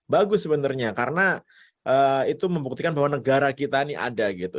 bagus sebenarnya karena itu membuktikan bahwa negara kita ini ada gitu